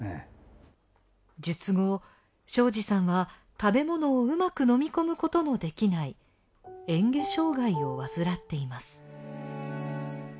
術後庄司さんは食べ物をうまく飲み込むことのできない嚥下障がいを患っています。